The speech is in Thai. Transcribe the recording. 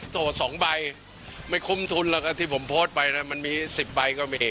ต่อ๒ใบไม่คุ้มทุนแล้วก็ที่ผมโพสต์ไปนะมันมี๑๐ใบก็มี